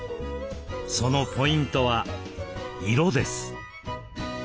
そのポイントは「色」です。